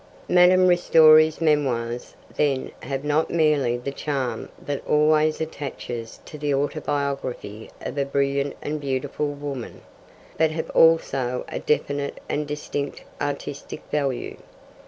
Madame Ristori's memoirs, then, have not merely the charm that always attaches to the autobiography of a brilliant and beautiful woman, but have also a definite and distinct artistic value.